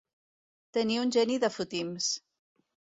Tenir un geni de fotims.